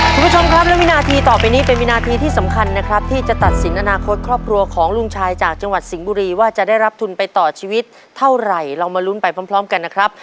คุณผู้ชมครับและวินาทีต่อไปนี้เป็นวินาทีที่สำคัญนะครับที่จะตัดสินอนาคตครอบครัวของลุงชายจากจังหวัดสิงห์บุรีว่าจะได้รับทุนไปต่อชีวิตเท่าไหร่เรามาลุ้นไปพร้อมกันนะครับ